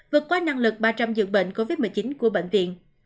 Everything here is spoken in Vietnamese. vượt qua năng lực ba trăm linh dường bệnh covid một mươi chín của bệnh viện